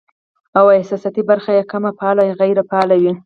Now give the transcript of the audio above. او احساساتي برخه ئې کم فعاله يا غېر فعاله وي